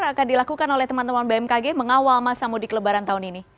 akan dilakukan oleh teman teman bmkg mengawal masa mudik lebaran tahun ini